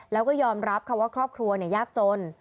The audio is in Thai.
แล้วก็ยอมรับค่ะว่าครอบครัวยากจน